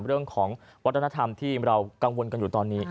เรื่องของวัฒนธรรมที่เรากังวลกันอยู่ตอนนี้